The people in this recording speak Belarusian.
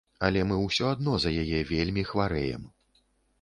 Але мы ўсё адно за яе вельмі хварэем.